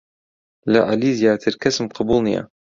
لە عەلی زیاتر کەسم قەبووڵ نییە.